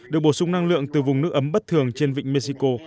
được bổ sung năng lượng từ vùng nước ấm bất thường trên vịnh mexico